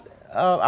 apa bedanya sama